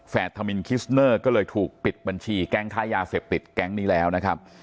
ธมินคิสเนอร์ก็เลยถูกปิดบัญชีแก๊งค้ายาเสพติดแก๊งนี้แล้วนะครับ